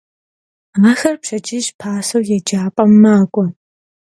Axer pşedcıjç'e p'aş'eu yêcap'em mak'ue.